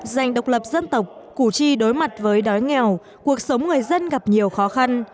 dành độc lập dân tộc củ chi đối mặt với đói nghèo cuộc sống người dân gặp nhiều khó khăn